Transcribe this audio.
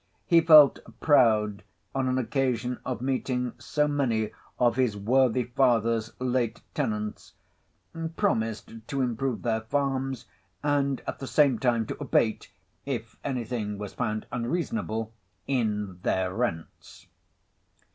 He felt proud on an occasion of meeting so many of his worthy father's late tenants, promised to improve their farms, and at the same time to abate (if any thing was found unreasonable) in their rents.